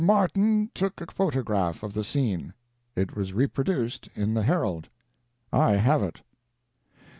Martin took a photograph of the scene. It was reproduced in the Herald. I have it.